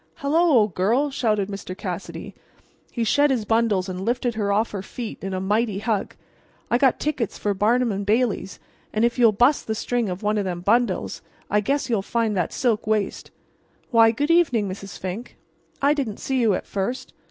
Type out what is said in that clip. "Hello, old girl!" shouted Mr. Cassidy. He shed his bundles and lifted her off her feet in a mighty hug. "I got tickets for Barnum & Bailey's, and if you'll bust the string of one of them bundles I guess you'll find that silk waist—why, good evening, Mrs. Fink—I didn't see you at first.